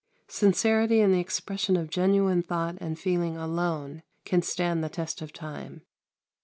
Sincerity in the expression of genuine thought and feeling alone can stand the test of time.